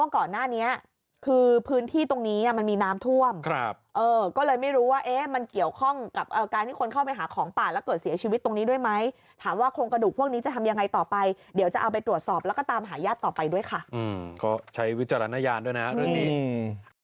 ก็เลยไม่รู้ว่าเอมันเกี่ยวข้องกับรการที่คุณเข้าไปหาของป่าแล้วก็เสียชีวิตตรงนี้ด้วยไหมถามว่าโครงกระดูกพวกนี้จะทำยังไงต่อไปเดี๋ยวจะเอาไปตรวจสอบแล้วก็ตามหาญาติต่อไปด้วยค่ะอืมเค้าใช้วิจารณญาณด้วยนะฮะเรื่องนี้อืม